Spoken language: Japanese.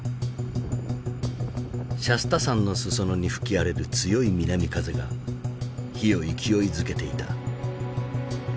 シャスタ山の裾野に吹き荒れる強い南風が火を勢いづけていた。